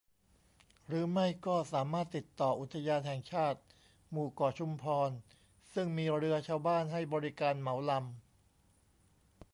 หรือไม่ก็สามารถติดต่ออุทยานแห่งชาติหมู่เกาะชุมพร ซึ่งมีเรือชาวบ้านให้บริการเหมาลำ